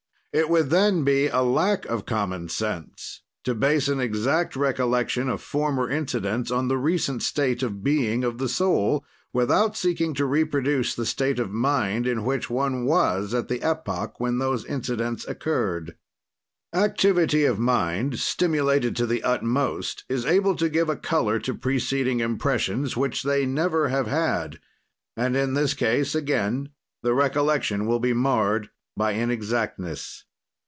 "It would then be a lack of common sense to base an exact recollection of former incidents on the recent state of being of the soul, without seeking to reproduce the state of mind in which one was at the epoch when those incidents occurred. "Activity of mind, stimulated to the utmost, is able to give a color to preceding impressions, which they never have had, and, in this case again, the recollection will be marred by inexactness.